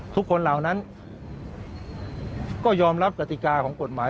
เหล่านั้นก็ยอมรับกติกาของกฎหมาย